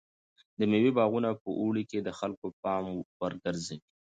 د مېوې باغونه په اوړي کې د خلکو د پام وړ ګرځي.